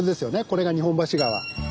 これが日本橋川。